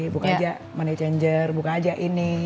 buka aja money changer buka aja ini